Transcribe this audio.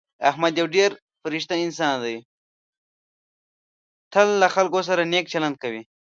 احمد یو ډېر فرشته انسان دی. تل له خلکو سره نېک چلند کوي.